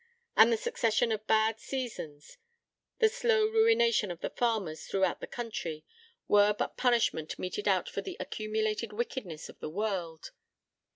... And the succession of bad seasons, the slow ruination of the farmers throughout the country, were but punishment meted out for the accumulated wickedness of the world.